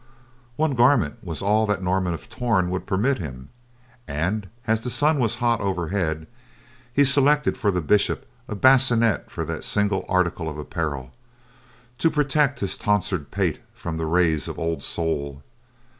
"One garment was all that Norman of Torn would permit him, and as the sun was hot overhead, he selected for the Bishop a bassinet for that single article of apparel, to protect his tonsured pate from the rays of old sol.